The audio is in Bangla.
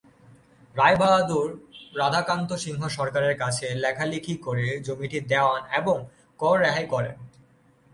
রায় বাহাদুর রাধাকান্ত সিংহ সরকারের কাছে লেখালিখি করে জমিটি দেওয়ান এবং কর রেহাই করান।